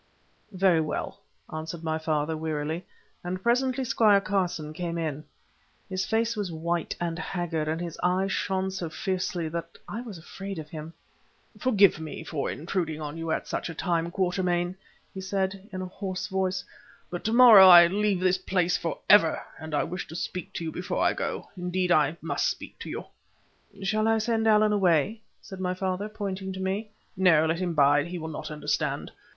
"Very well," answered my father, wearily, and presently Squire Carson came in. His face was white and haggard, and his eyes shone so fiercely that I was afraid of him. "Forgive me for intruding on you at such a time, Quatermain," he said, in a hoarse voice, "but to morrow I leave this place for ever, and I wish to speak to you before I go—indeed, I must speak to you." "Shall I send Allan away?" said my father, pointing to me. "No; let him bide. He will not understand."